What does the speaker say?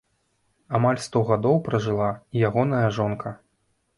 Амаль сто гадоў пражыла і ягоная жонка.